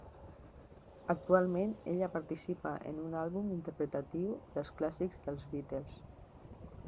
Actualment ella participa en un àlbum interpretatiu dels clàssics dels Beatles.